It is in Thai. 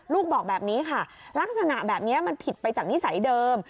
ลูกบอกแบบนี้ค่ะลักษณะแบบนี้มันผิดไปจากนิสัยเดิม